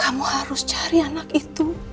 kamu harus bantu andin temuin anak itu